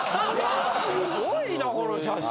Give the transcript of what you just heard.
すごいなこの写真。